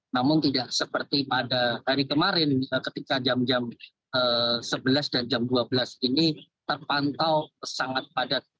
namun tidak seperti pada hari kemarin ketika jam jam sebelas dan jam dua belas ini terpantau sangat padat